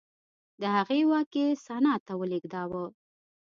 د هغې واک یې سنا ته ولېږداوه